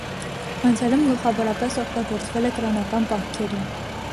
Անցյալում գլխավորապես օգտագործվել է կրոնական պահքերին։